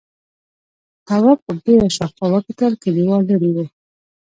تواب په بيړه شاوخوا وکتل، کليوال ليرې و: